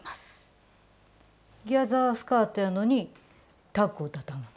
ギャザースカートやのにタックをたたむの？